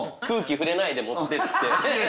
空気触れないで持っていって。